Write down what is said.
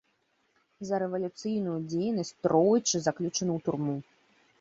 За рэвалюцыйную дзейнасць тройчы заключаны ў турму.